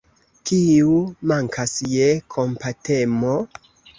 Kiu mankas je kompatemo?